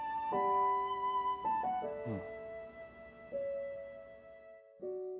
うん。